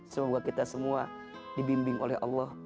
semoga kita semua dibimbing oleh allah